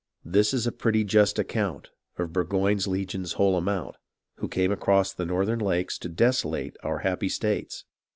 This is a pretty just account Of Burgo\Tie's legions' whole amount, Who came across the northern lakes To desolate our happy states.